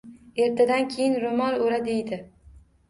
Ertadan keyin roʻmol oʻra deydi.